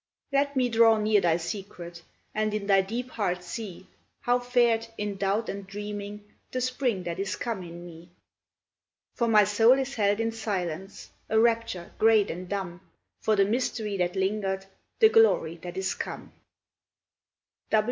Let me draw near thy secret, And in thy deep heart see How fared, in doubt and dreaming, The spring that is come in me. For my soul is held in silence, A rapture, great and dumb, For the mystery that lingered, The glory that is come!